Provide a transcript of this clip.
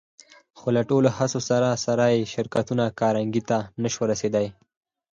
خو له ټولو هڅو سره سره يې شرکتونه کارنګي ته نه شوای رسېدای.